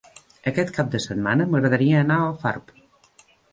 Aquest cap de setmana m'agradaria anar a Alfarb.